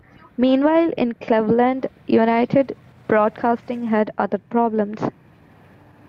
Meanwhile in Cleveland, United Broadcasting had other problems.